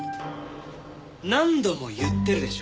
何度も言ってるでしょ？